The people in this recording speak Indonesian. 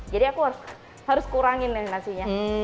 jadi aku harus kurangin nih nasinya